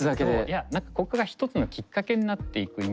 いやここがひとつのきっかけになっていくイメージで。